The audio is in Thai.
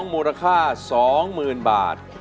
มูลค่า๒๐๐๐๐บาท